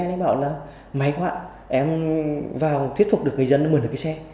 nó bảo là may quá em vào thuyết phục được người dân mượn được cái xe